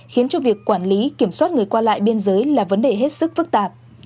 khiến cho việc quản lý kiểm soát người qua lại biên giới là vấn đề hết sức phức tạp